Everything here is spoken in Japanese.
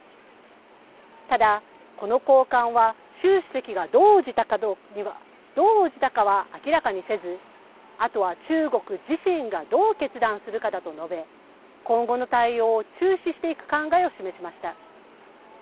ただ、この高官は、習主席がどう応じたかは明らかにせず、あとは中国自身がどう決断するかだと述べ、今後の対応を注視していく考えを示しました。